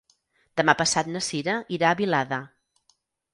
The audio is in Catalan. Demà passat na Sira irà a Vilada.